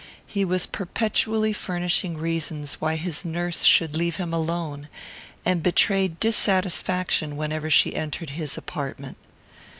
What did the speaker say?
He was perpetually furnishing reasons why his nurse should leave him alone, and betrayed dissatisfaction whenever she entered his apartment.